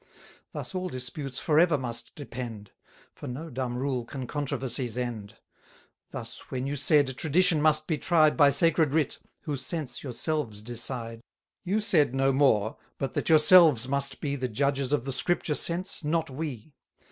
Thus all disputes for ever must depend; For no dumb rule can controversies end. Thus, when you said, Tradition must be tried By Sacred Writ, whose sense yourselves decide, You said no more, but that yourselves must be The judges of the Scripture sense, not we.